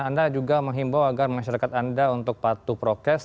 anda juga menghimbau agar masyarakat anda untuk patuh prokes